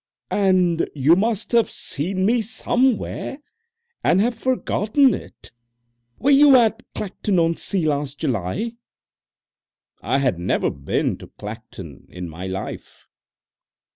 "And you must have seen me somewhere and have forgotten it! Were you at Clacton on Sea last July?" I had never been to Clacton in my life.